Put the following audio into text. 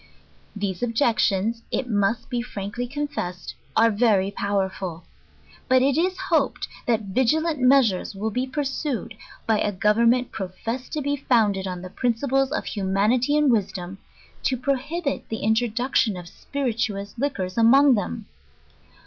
These objections, it must be frankly confessed, are very powerful. Hut it is hoped, that vigilent measures will be pursued, by a government professed to be founded en the princip'es of humanity and wisdom, to prohibit the introduc tion of spirituous liquors among them.